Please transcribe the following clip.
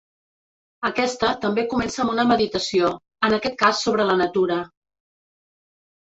Aquesta també comença amb una meditació, en aquest cas sobre la natura.